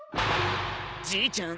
じいちゃん